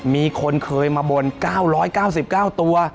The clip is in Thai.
มีคนเคยมาบน๙๙๙ตัว